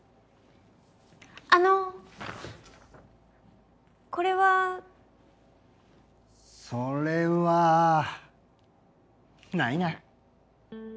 あのこれは。それはないな。